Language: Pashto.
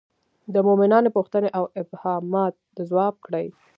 د مومنانو پوښتنې او ابهامات ځواب کړي.